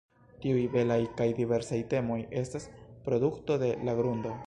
Tiuj belaj kaj diversaj temoj estas produkto de la grundo.